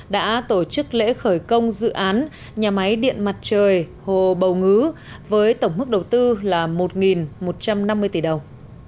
đã tổ chức lễ khởi công dự án nhà máy điện mặt trời hồ bầu ngứ với tổng mức đầu tư là một một trăm năm mươi tỷ đồng